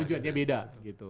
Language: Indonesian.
tujuannya beda gitu